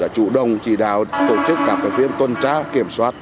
chủ đồng chỉ đào tổ chức các phiên tuân trá kiểm soát